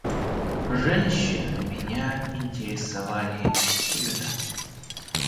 Женщины меня интересовали всегда.